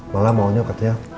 malah maunya katanya